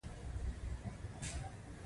دریمه مرحله د وزیرانو شورا ته لیږل دي.